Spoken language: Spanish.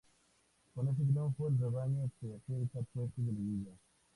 Con este triunfo el Rebaño se acerca a puestos de liguilla.